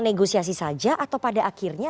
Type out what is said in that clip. negosiasi saja atau pada akhirnya